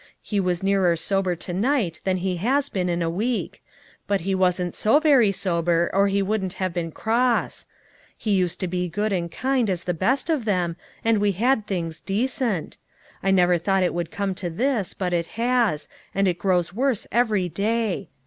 He was nearer sober to night 62 LITTLE FISHEKS : AND THEIK NETS. than he has been in a week ; but he wasn't so very sober or he wouldn't have been cross. He used to be good and kind as the best of them, and we had things decent. I never thought it would come to this, but it has, and it grows worse every day.